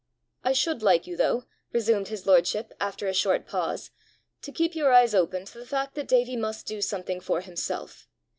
"I should like you, though," resumed his lordship, after a short pause, "to keep your eyes open to the fact that Davie must do something for himself.